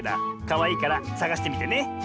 かわいいからさがしてみてね！